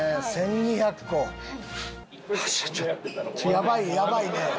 やばいやばいね。